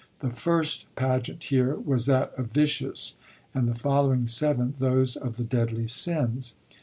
The first pageant, here, was that of 'Vicious,' and the following seven those of the deadly sins.